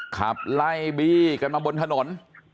ขับไล่บี้กันมาบนถนน